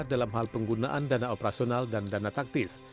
dalam hal penggunaan dana operasional dan dana taktis